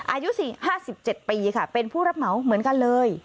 อายุ๔๕๗ปีค่ะเป็นผู้รับเหมาเหมือนกันเลย